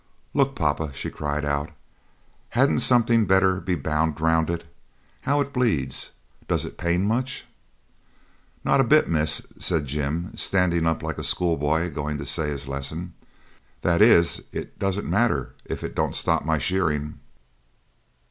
Look, papa!' she cried out. 'Hadn't something better be bound round it? How it bleeds! Does it pain much?' 'Not a bit, miss!' said Jim, standing up like a schoolboy going to say his lesson. 'That is, it doesn't matter if it don't stop my shearing.'